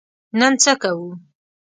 نن څه کوو؟